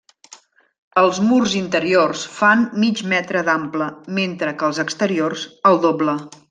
Els murs interiors fan mig metre d'ample, mentre que els exteriors, el doble.